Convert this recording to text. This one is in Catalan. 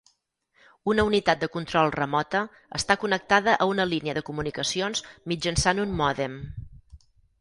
Una unitat de control "remota" està connectada a una línia de comunicacions mitjançant un mòdem.